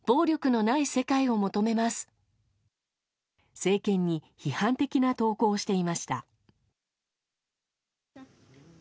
政権に批判的な投稿をしていました。